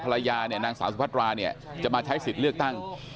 ภรรยานางสาวสุภัตราจะมาใช้สิทธิ์เลือกตั้ง